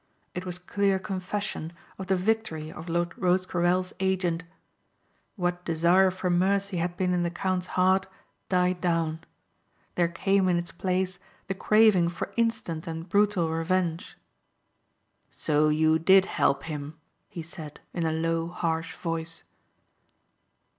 It was clear confession of the victory of Lord Rosecarrel's agent. What desire for mercy had been in the count's heart died down. There came in its place the craving for instant and brutal revenge. "So you did help him?" he said in a low harsh voice.